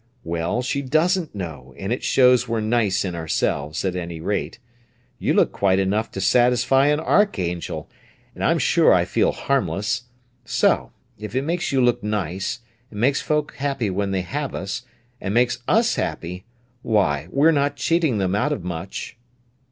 "Well, she doesn't know; and it shows we're nice in ourselves, at any rate. You look quite enough to satisfy an archangel, and I'm sure I feel harmless—so—if it makes you look nice, and makes folk happy when they have us, and makes us happy—why, we're not cheating them out of much!"